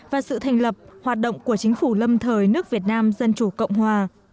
và sự thành lập hoạt động của chính phủ lâm thời nước việt nam dân chủ cộng hòa